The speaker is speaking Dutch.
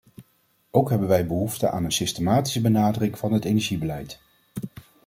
Ook hebben wij behoefte aan een systemische benadering van het energiebeleid.